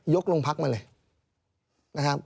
ยกลงพักมาเลย